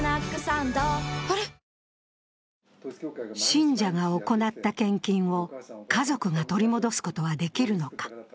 信者が行った献金を家族を取り戻すことはできるのか。